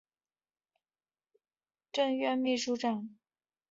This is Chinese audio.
曾任行政院秘书长及行政院政务委员。